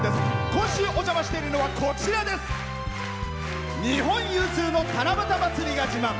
今週お邪魔しているのは日本有数の七夕まつりが自慢。